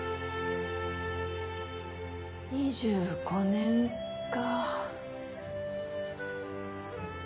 ２５年か。